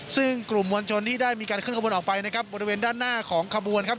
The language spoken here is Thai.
ซึ่งกลุ่มมวลชนที่ได้มีการเคลื่อขบวนออกไปนะครับบริเวณด้านหน้าของขบวนครับ